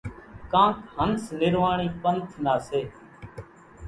ڪانڪ هنس نِرواڻِي پنٿ نا سي۔